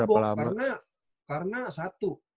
awalnya kagok karena karena satu